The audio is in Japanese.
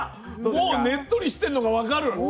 もうねっとりしてんのが分かる。